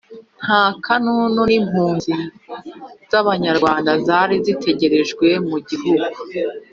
nta kanunu n'impunzi z'abanyarwanda bari bategerejwe mu gihugu!